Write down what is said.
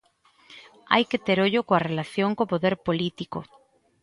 Hai que ter ollo coa relación co poder político.